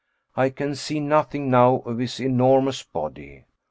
I can see nothing now of his enormous body.